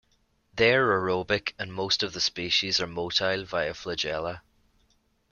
They are aerobic and most of the species are motile via flagella.